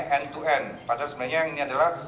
end to end padahal sebenarnya yang ini adalah